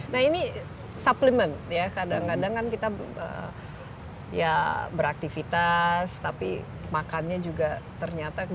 nah ini suplemen ya kadang kadang kan kita ya beraktivitas tapi makannya juga ternyata